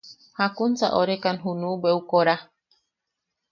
–¿Jakunsa orekan junu bweʼu kora?